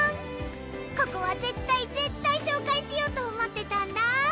ここは絶対絶対紹介しようと思ってたんだ！